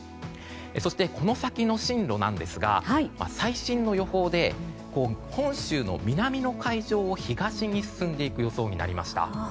そして、この先の進路ですが最新の予報で、本州の南の海上を東に進んでいく予想になりました。